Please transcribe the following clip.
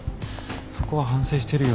そこは反省してるよ。